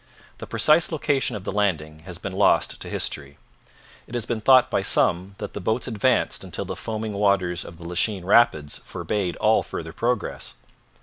The precise location of the landing has been lost to history. It has been thought by some that the boats advanced until the foaming waters of the Lachine rapids forbade all further progress.